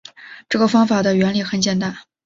这个方法的原理很简单